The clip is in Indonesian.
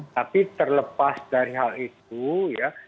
tapi terlepas dari hal itu ya